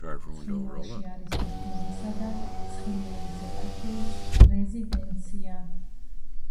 ცხინვალში არის ნიქოზისა და ცხინვალის ეპარქიის რეზიდენცია.